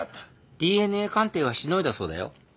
ＤＮＡ鑑定はしのいだそうだよ。